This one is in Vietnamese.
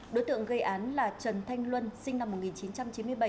đối tượng gây án là trần thanh luân sinh năm một nghìn chín trăm chín mươi bảy